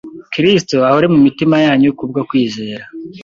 Kristo ahore mu mitima yanyu ku bwo kwizera,